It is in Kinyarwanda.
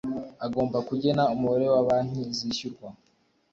agomba kugena umubare wa banki zishyurwa